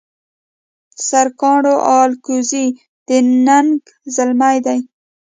سرکاڼو الکوزي د ننګ زلمي دي